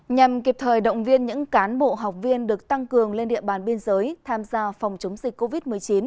nhằm kịp thời động viên những cán bộ học viên được tăng cường lên địa bàn biên giới tham gia phòng chống dịch covid một mươi chín